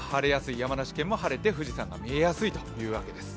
山梨県も晴れて富士山が見えやすいというわけです。